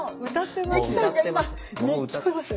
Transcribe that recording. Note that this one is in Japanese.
もう聞こえました？